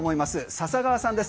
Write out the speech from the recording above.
笹川さんです。